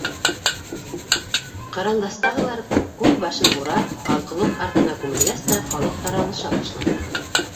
Кырандастағылар, күл башын урап, ҡалҡыулыҡ артына күмелгәс тә, халыҡ таралыша башланы.